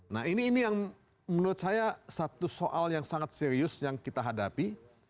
nah ini yang menurut saya satu soal yang sangat serius yang kita hadapi